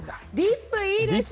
ディップいいですね。